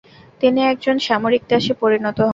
তিনি একজন সামরিক দাসে পরিণত হন।